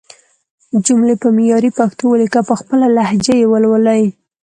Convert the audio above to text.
جملې په معياري پښتو وليکئ او په خپله لهجه يې ولولئ!